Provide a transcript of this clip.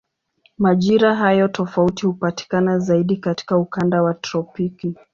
Majira hayo tofauti hupatikana zaidi katika ukanda wa tropiki.